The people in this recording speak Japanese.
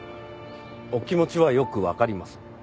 お気持ちはよくわかります。